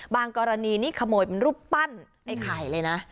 กรณีนี่ขโมยเป็นรูปปั้นไอ้ไข่เลยนะ